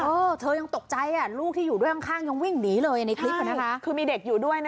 เออเธอยังตกใจอ่ะลูกที่อยู่ด้วยข้างยังวิ่งหนีเลยในคลิปคือมีเด็กอยู่ด้วยนะ